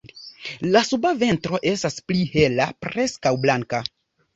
La suba ventro estas pli hela, preskaŭ blanka.